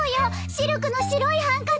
シルクの白いハンカチ。